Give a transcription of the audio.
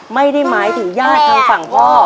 ไม่ได้หมายถึงญาติทางฝั่งพ่อ